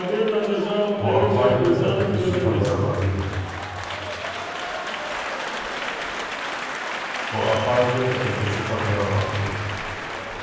او افا يې ګه که ته کِرݫی خبُره بۀ بيې۔